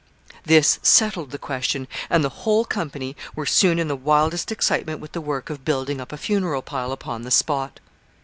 ] This settled the question, and the whole company were soon in the wildest excitement with the work of building up a funeral pile upon the spot.